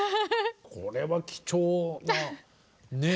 これは貴重なね